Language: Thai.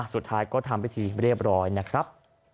สุดท้ายก็ทำพิธีเรียบร้อยนะครับ